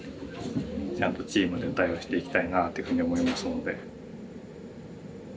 ちゃんとチームで対応していきたいなっていうふうに思いますので。